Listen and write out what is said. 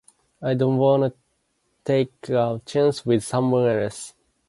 I don't want to take a chance with someone else.